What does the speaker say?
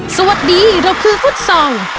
สวัสดีเราคือฟุตซอง